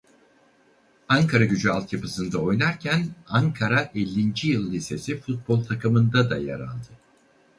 Ankaragücü altyapısında oynarken Ankara ellinci Yıl Lisesi futbol takımında da yer aldı.